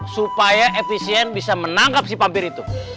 supaya efisien bisa menangkap si pabir itu